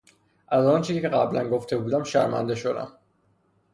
از آنچه که قبلا گفته بودم شرمنده شدم.